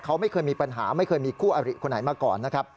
เขาไม่เคยมีปัญหาไม่เคยมีคู่อริขนาดไหนมาก่อน